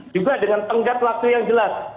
juga dengan tenggat waktu yang jelas